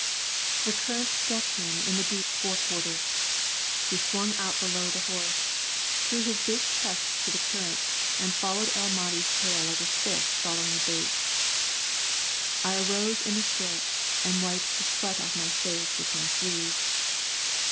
The current struck him in the deep forequarters; he swung out below the horse, threw his big chest to the current, and followed El Mahdi's tail like a fish following a bait. I arose in the stirrups and wiped the sweat off my face with my sleeve.